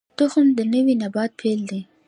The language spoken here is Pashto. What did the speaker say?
تخم د نوي نبات پیل دی